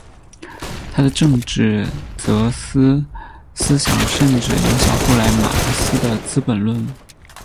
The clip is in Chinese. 他的政治哲学思想甚至影响后来马克思的资本论。